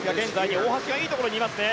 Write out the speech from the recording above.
大橋がいいところにいますね。